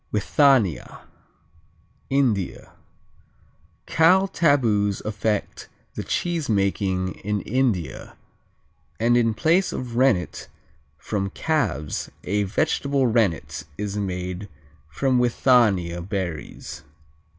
Withania India Cow taboos affect the cheesemaking in India, and in place of rennet from calves a vegetable rennet is made from withania berries.